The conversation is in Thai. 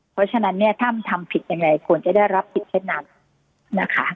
เพราะฉะนั้นเนี่ยถ้ามันทำผิดยังไงควรจะได้รับผิดเช่นนั้นนะคะ